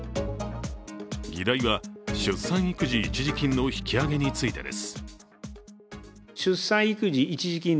議題は出産育児一時金の引き上げについてです。